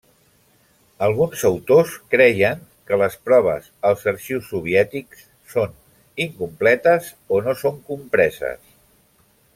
Alguns autors creien que les proves als arxius soviètics són incompletes o no són compreses.